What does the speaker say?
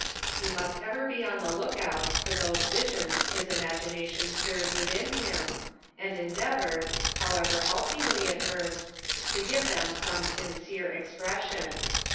He must ever be on the look out for those visions his imagination stirs within him, and endeavour, however haltingly at first, to give them some sincere expression.